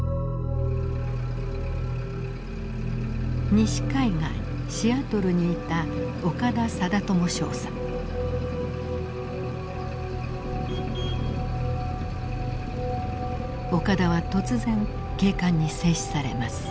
西海岸シアトルにいた岡田は突然警官に制止されます。